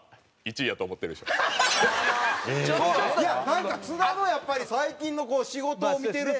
なんか津田のやっぱり最近の仕事を見てると。